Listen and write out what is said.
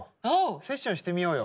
セッションしてみようよ。